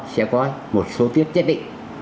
sẽ có một số tiết chất định